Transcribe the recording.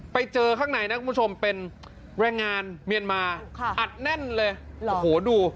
ไปเจอข้างในนะคุณผู้ชมเป็นแรงงานเมียนมาอัดแน่นเลยโอ้โหดู